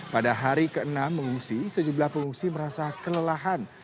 pada hari ke enam mengungsi sejumlah pengungsi merasa kelelahan